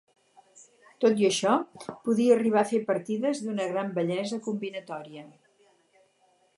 Tot i això, podia arribar a fer partides d'una gran bellesa combinatòria.